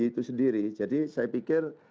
itu sendiri jadi saya pikir